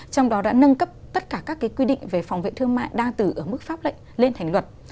trong đó đã nâng cấp tất cả các cái quy định về phòng vệ thương mại đang từ ở mức pháp lệnh lên thành luật